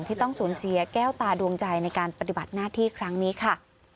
ที่ต้องสูญเสียแก้วตาดวงใจในการปฏิบัติหน้าที่ครั้งนี้ค่ะ